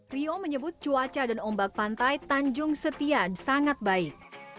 rio menyebut cuaca dan ombak pantai tanjung setia sangat baik